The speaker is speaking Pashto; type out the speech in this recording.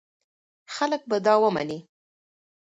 خلک به دا ومني.